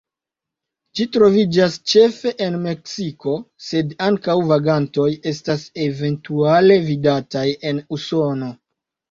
Ĝi troviĝas ĉefe en Meksiko, sed ankaŭ vagantoj estas eventuale vidataj en Usono.